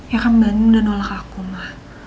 ya kan mbak endin udah nolak aku ma